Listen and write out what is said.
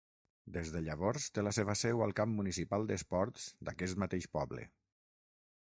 Des de llavors, té la seva seu al Camp Municipal d'Esports d'aquest mateix poble.